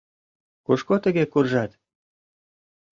Кушко тыге куржат?